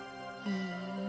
ふん。